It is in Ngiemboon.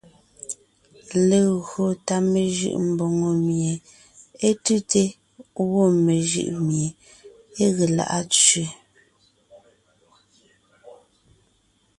Legÿo tà mejʉʼ mbòŋo mie é tʉ́te; gwɔ́ mejʉʼ mié é ge lá’a tsẅé.